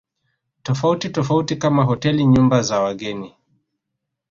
tofauti tofauti kama hoteli nyumba za wageni